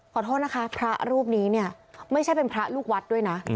ขอโทษนะคะพระรูปนี้เนี่ยไม่ใช่เป็นพระลูกวัดด้วยนะ